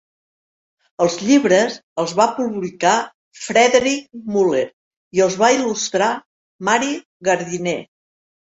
Els llibres els va publicar Frederick Muller i els va il·lustrar Mary Gardiner.